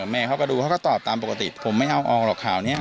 แม่เขาก็ดูเขาก็ตอบตามปกติผมไม่เอาออกหรอกข่าวนี้